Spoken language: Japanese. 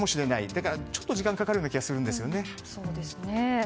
だからちょっと時間がかかるような気もするんですね。